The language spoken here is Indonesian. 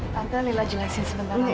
tante lila jelasin sebentar